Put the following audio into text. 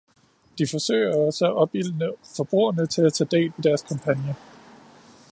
De forsøger også at opildne forbrugerne til at tage del i deres kampagne.